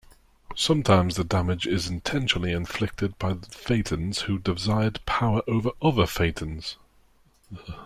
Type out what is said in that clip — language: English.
Sometimes the damage is intentionally inflicted by thetans who desired power over other thetans.